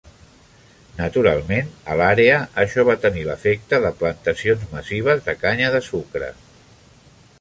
Naturalment, a l'àrea això va tenir l'efecte de plantacions massives de canya de sucre.